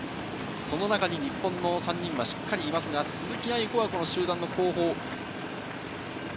その中に日本の３人はしっかりいますが鈴木亜由子は集団の後方。